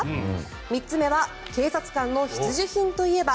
３つ目は警察官の必需品といえば。